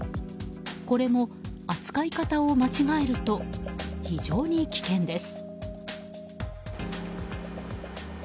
これも扱い方を間違えると非常に危険です。